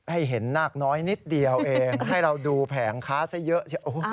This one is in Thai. ให้เห็นนาคน้อยนิดเดียวเองให้เราดูแผงค้าซะเยอะ